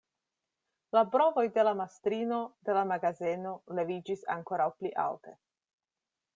La brovoj de la mastrino de la magazeno leviĝis ankoraŭ pli alte.